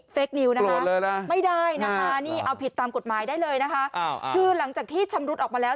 คนิวนะคะไม่ได้นะคะนี่เอาผิดตามกฎหมายได้เลยนะคะคือหลังจากที่ชำรุดออกมาแล้ว